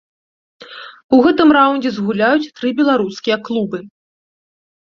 У гэтым раўндзе згуляюць тры беларускія клубы.